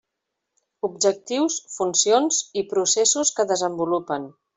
Objectius, funcions i processos que desenvolupen.